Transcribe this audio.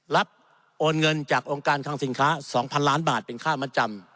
รับโอนเงินจากองค์การคังสินค้า๒๐๐ล้านบาทเป็นค่ามัดจำ